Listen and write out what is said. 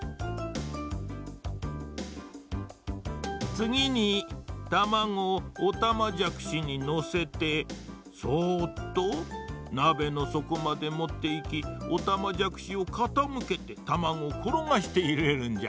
つぎにたまごをおたまじゃくしにのせてそっとなべのそこまでもっていきおたまじゃくしをかたむけてたまごをころがしていれるんじゃ。